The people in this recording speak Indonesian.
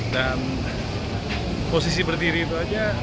dan posisi berdiri itu aja